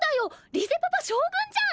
リゼパパ将軍じゃん！